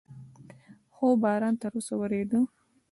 خو باران تر اوسه ورېده.